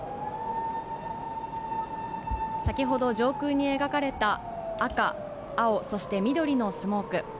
先ほど、上空に描かれた赤、青、そして緑のスモーク。